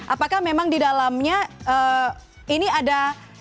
apakah memang di dalamnya ini ada